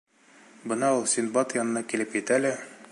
Бына ул Синдбад янына килеп етә лә: